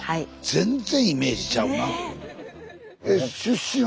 全然イメージちゃうな。